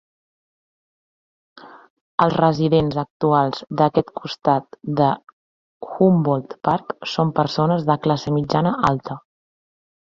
Els residents actuals d'aquest costat de Humboldt Park són persones de classe mitjana-alta.